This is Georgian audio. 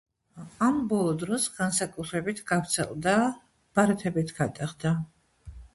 ამ ბოლო დროს განსაკუთრებით გავრცელდა ბარათებით გადახდა.